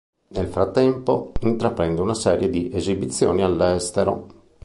Nel frattempo intraprende una serie di esibizioni all'estero.